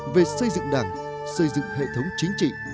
về xây dựng đảng xây dựng hệ thống chính trị